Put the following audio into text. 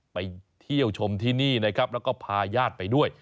ไปเที่ยวชมที่นี่นะครับแล้วก็พาญาติไปด้วย